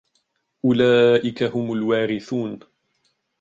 أولئك هم الوارثون